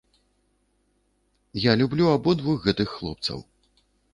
Я люблю абодвух гэтых хлопцаў!